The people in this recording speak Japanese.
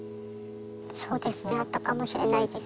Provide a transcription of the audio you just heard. そうですねあったかもしれないです。